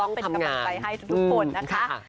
ต้องทำงานเป็นกำลังไปให้ทุกคนนะคะ